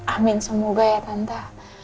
amin semoga ya tante